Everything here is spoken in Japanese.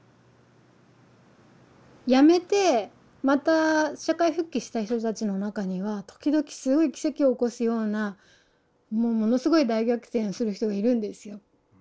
やめてまた社会復帰した人たちの中には時々すごい奇跡を起こすようなものすごい大逆転する人がいるんですよ。